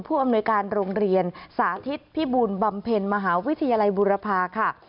อำนวยการโรงเรียนสาธิตพิบูลบำเพ็ญมหาวิทยาลัยบุรพาค่ะ